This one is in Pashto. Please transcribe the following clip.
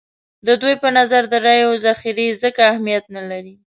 د دوی په نظر د رایو ذخیرې ځکه اهمیت نه لري.